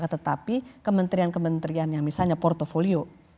tetapi kementerian kementerian yang misalnya portfolio